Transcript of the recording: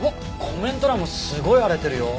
コメント欄もすごい荒れてるよ。